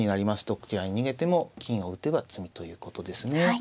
どちらに逃げても金を打てば詰みということですね。